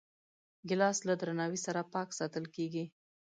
ګیلاس له درناوي سره پاک ساتل کېږي.